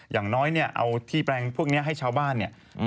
อย่างน้อยเนี่ยเอาที่แปลงพวกนี้ให้ชาวบ้านเนี่ย